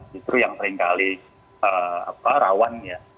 justru yang seringkali rawan ya